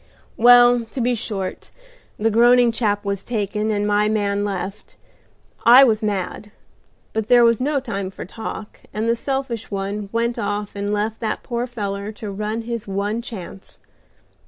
"Well, to be short, the groaning chap was taken, and my man left. I was mad, but there was no time for talk, and the selfish one went off and left that poor feller to run his one chance.